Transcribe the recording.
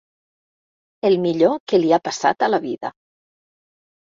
El millor que li ha passat a la vida.